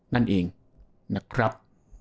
นั่นเองนะครับ